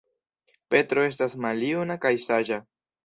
Petro estas maljuna kaj saĝa.